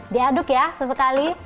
diaduk ya sesekali